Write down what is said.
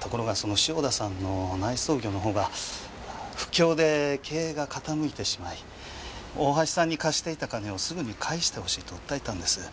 ところがその汐田さんの内装業の方が不況で経営が傾いてしまい大橋さんに貸していた金をすぐに返してほしいと訴えたんです。